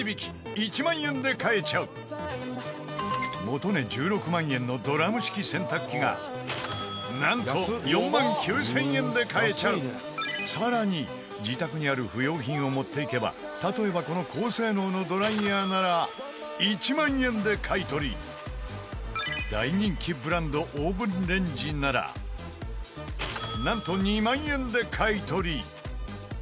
１万円で買えちゃう元値１６万円のドラム式洗濯機がなんと４万９０００円で買えちゃう更に、自宅にある不要品を持っていけば例えばこの高性能のドライヤーなら１万円で買い取り大人気ブランドオーブンレンジならなんと２万円で買い取り